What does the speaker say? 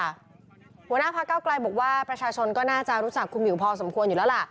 หัวหน้าพระเก้าไกลบอกว่าประชาชนก็น่าจะรู้จักคุณหมิวพอสมควรอยู่แล้วล่ะ